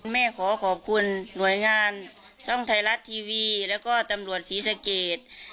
แม่ขอขอบคุณหน่วยงานช่องไทยรัฐทีวีแล้วก็ตำรวจศรีสะเกด